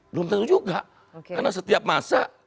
belum tentu juga karena setiap masa